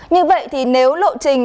như vậy thì nếu lộ trình